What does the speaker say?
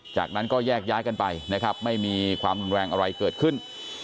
จากนั้นก็แยกย้ายกันไปนะครับไม่มีความรุนแรงอะไรเกิดขึ้น